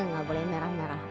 gak boleh merah merah